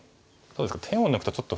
そうですね